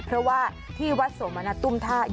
เพราะว่าที่วัดโสมณตุ้มท่า